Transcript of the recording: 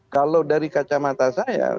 kalau dari kacamata saya